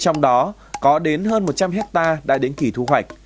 trong đó có đến hơn một trăm linh hectare đã đến kỳ thu hoạch